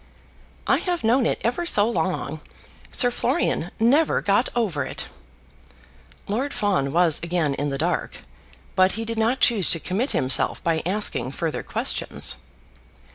"I have known it ever so long. Sir Florian never got over it." Lord Fawn was again in the dark, but he did not choose to commit himself by asking further questions.